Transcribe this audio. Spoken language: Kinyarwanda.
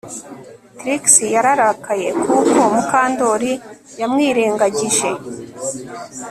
Trix yararakaye kuko Mukandoli yamwirengagije